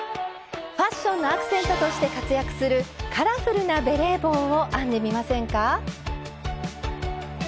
ファッションのアクセントとして活躍するカラフルなベレー帽を編んでみませんか？